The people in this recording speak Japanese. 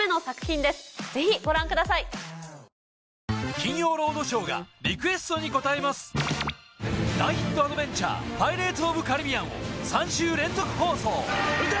『金曜ロードショー』がリクエストに応えます大ヒットアドベンチャー『パイレーツ・オブ・カリビアン』を３週連続放送撃て！